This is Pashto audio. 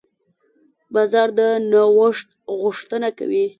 بازار د نوښت غوښتنه کوي.